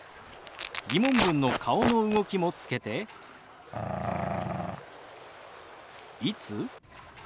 疑問文の顔の動きもつけて「いつ？」。